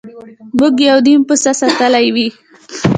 موږ یو نیم پسه ساتلی وي.